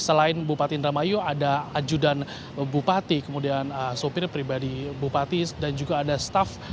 selain bupati indramayu ada ajudan bupati kemudian sopir pribadi bupati dan juga ada staff